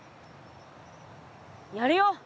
やるよ。